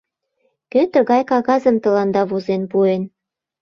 — Кӧ тыгай кагазым тыланда возен пуэн?